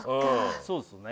そうですよね